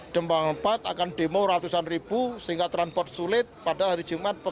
gembang empat akan demo ratusan ribu sehingga transport sulit pada hari jumat